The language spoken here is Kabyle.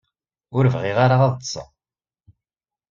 Ur bɣiɣ ara ad ṭṭseɣ.